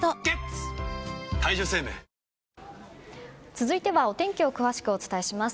続いてはお天気を詳しくお伝えします。